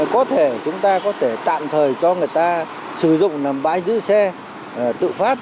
có thể chúng ta có thể tạm thời cho người ta sử dụng làm bãi giữ xe tự phát